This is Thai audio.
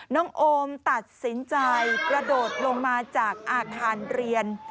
โอมตัดสินใจกระโดดลงมาจากอาคารเรียน